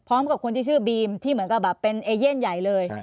พร้อมกับคนที่ชื่อบีมที่เหมือนกับแบบเป็นเอเย่นใหญ่เลย